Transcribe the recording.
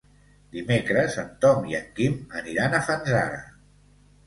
Dimecres en Tom i en Quim aniran a Fanzara.